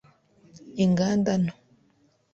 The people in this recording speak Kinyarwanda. Inganda nto